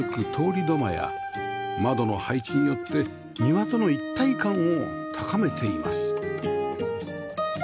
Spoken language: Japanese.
土間や窓の配置によって庭との一体感を高めています